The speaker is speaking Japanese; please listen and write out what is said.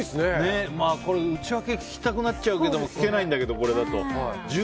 内訳聞きたくなっちゃうけど聞けないんだけど、これだと。